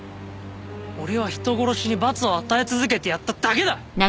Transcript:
俺は人殺しに罰を与え続けてやっただけだ！